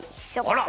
あら！